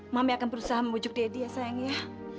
mami akan berusaha membujuk daddy ya sayang ya